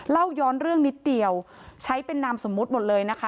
เล่าย้อนเรื่องนิดเดียวใช้เป็นนามสมมุติหมดเลยนะคะ